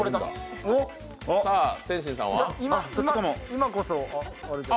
今こそ。